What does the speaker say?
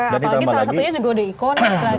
iya apalagi salah satunya juga udah ikon